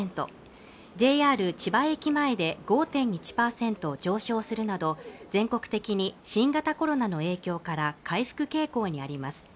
千葉駅前で５．１％上昇するなど全国的に新型コロナの影響から回復傾向にあります